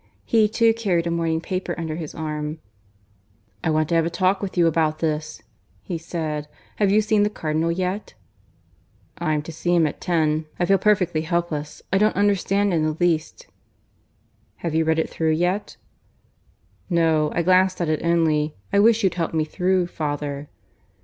He too carried a morning paper under his arm. "I want to have a talk with you about this," he said, "Have you seen the Cardinal yet?" "I'm to see him at ten. I feel perfectly helpless. I don't understand in the least." "Have you read it through yet?" "No, I glanced at it only. I wish you'd help me through, father."